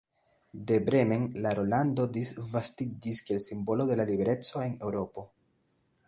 De Bremen la rolando disvastiĝis kiel simbolo de la libereco en Eŭropo.